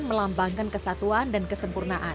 melambangkan kesatuan dan kesempurnaan